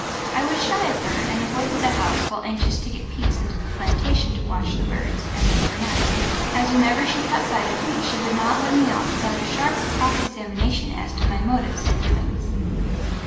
I was shy of her and avoided the house while anxious to get peeps into the plantation to watch the birds and look for nests, as whenever she caught sight of me she would not let me off without a sharp cross examination as to my motives and doings.